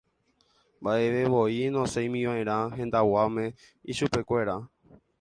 mba'evevoi nosẽimiva'erã hendag̃uáme ichupekuéra.